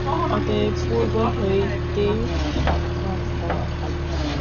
অতএব পূর্ব হইতেই সাবধান হওয়া ভাল।